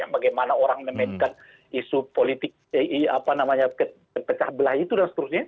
bagaimana orang memainkan isu politik keterbelahan itu